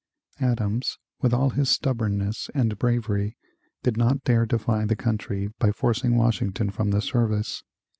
Adams, with all his stubbornness and bravery, did not dare defy the country by forcing Washington from the service.